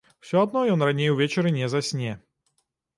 Усё адно ён раней увечары не засне.